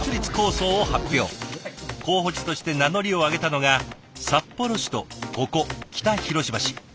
候補地として名乗りを上げたのが札幌市とここ北広島市。